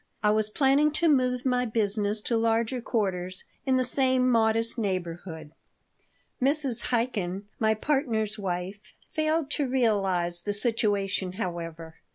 I was planning to move my business to larger quarters, in the same modest neighborhood. Mrs. Chaikin, my partner's wife, failed to realize the situation, however.